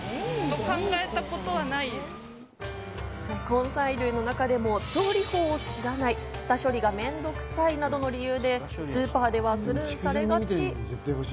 根菜類の中でも調理法を知らない、下処理がめんどくさいなどの理由でスーパーではスルーされがち。